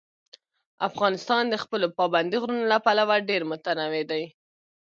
افغانستان د خپلو پابندي غرونو له پلوه ډېر متنوع دی.